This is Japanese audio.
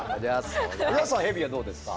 おじゃすさんヘビはどうですか？